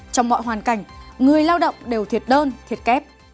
trong mọi hoàn cảnh người lao động đều thiệt đơn thiệt kép